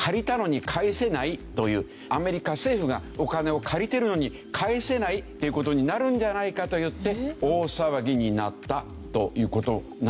アメリカ政府がお金を借りてるのに返せないっていう事になるんじゃないかといって大騒ぎになったという事なんですよ。